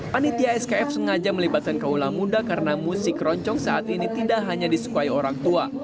panitia skf sengaja melibatkan kaulah muda karena musik keroncong saat ini tidak hanya disukai orang tua